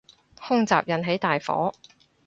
空襲引起大火